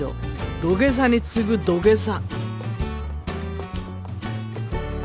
土下座に次ぐ土下座」